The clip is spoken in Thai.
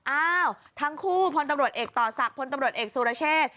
อ้าวทั้งคู่พลตำรวจเอกต่อศักดิ์พลตำรวจเอกสุรเชษ